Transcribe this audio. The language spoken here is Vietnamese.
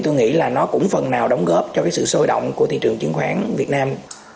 tôi nghĩ là nó cũng phần nào đóng góp cho cái sự sôi động của thị trường chứng khoán việt nam